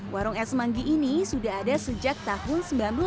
warung es semangi ini sudah ada sejak tahun seribu sembilan ratus lima puluh satu